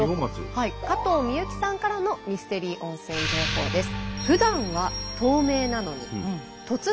加藤美由紀さんからのミステリー温泉情報です。